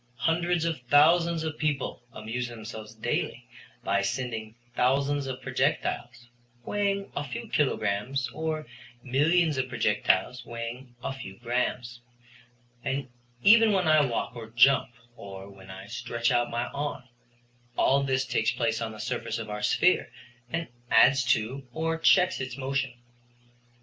Hundreds of thousands of people amuse themselves daily by sending thousands of projectiles weighing a few kilograms or millions of projectiles weighing a few grammes, and even when I walk or jump, or when I stretch out my arm, all this takes place on the surface of our sphere and adds to or checks its motion.